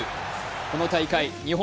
この大会日本